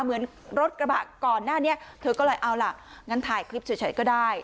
เหมือนรถกระบะก่อนหน้านี้เธอก็เลยเอาล่ะงั้นถ่ายคลิปเฉยก็ได้